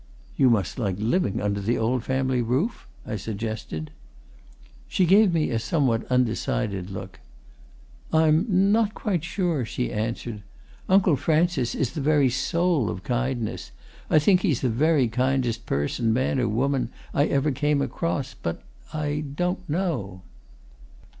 "You must like living under the old family roof?" I suggested. She gave me a somewhat undecided look. "I'm not quite sure," she answered. "Uncle Francis is the very soul of kindness I think he's the very kindest person, man or woman, I ever came across, but I don't know."